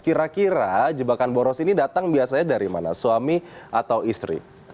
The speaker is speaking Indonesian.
kira kira jebakan boros ini datang biasanya dari mana suami atau istri